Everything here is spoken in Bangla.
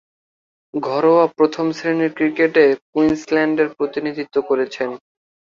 ঘরোয়া প্রথম-শ্রেণীর ক্রিকেটে কুইন্সল্যান্ডের প্রতিনিধিত্ব করেছেন।